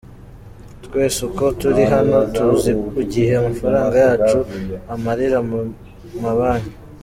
Twese uko turi hano tuzi gihe amafaranga yacu amarira mu mabanki.